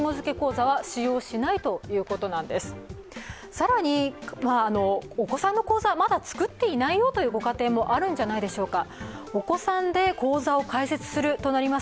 更にお子さんの口座まだ作っていないよというご家庭もあるんじゃないでしょうか。